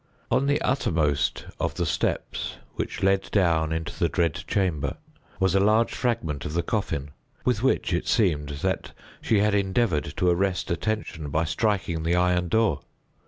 On the uttermost of the steps which led down into the dread chamber was a large fragment of the coffin, with which, it seemed, that she had endeavored to arrest attention by striking the iron door.